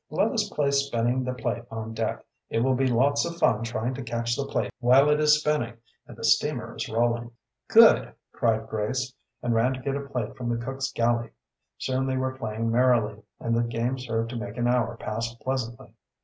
"Let us play spinning the plate on deck. It will be lots of fun trying to catch the plate while it is spinning and the steamer is rolling." "Good!" cried Grace, and ran to get a plate from the cook's galley. Soon they were playing merrily, and the game served to make an hour pass pleasantly.